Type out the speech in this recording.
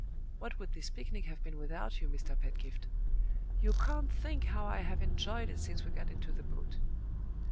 What would this picnic have been without you, Mr. Pedgift; you can't think how I have enjoyed it since we got into the boat.